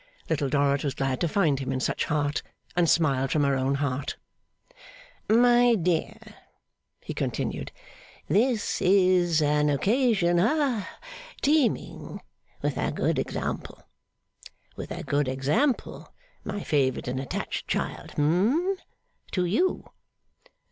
Little Dorrit was glad to find him in such heart, and smiled from her own heart. 'My dear,' he continued, 'this is an occasion ha teeming with a good example. With a good example, my favourite and attached child hum to you.